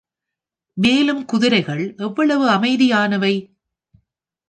மேலும் குதிரைகள் எவ்வளவு அமைதியானவை!